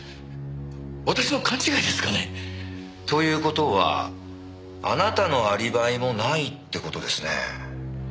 私の勘違いですかね？という事はあなたのアリバイもないって事ですね。